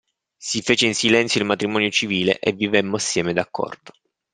Si fece in silenzio il matrimonio civile e vivemmo assieme d'accordo.